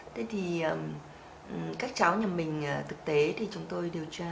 thế thì các cháu nhà mình thực tế thì chúng tôi điều tra